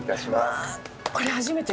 わあこれ初めて。